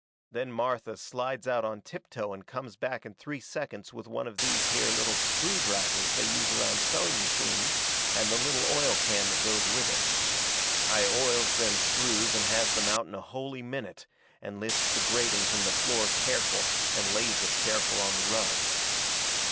Then Martha slides out on tiptoe and comes back in three seconds with one of these here little screw drivers they use around sewing machines and the little oil can that goes with it. I oils them screws and has them out in a holy minute, and lifts the grating from the floor careful and lays it careful on the rug.